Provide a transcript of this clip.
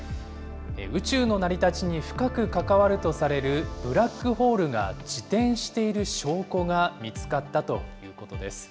宇宙の成り立ちに深く関わるとされる、ブラックホールが自転している証拠が見つかったということです。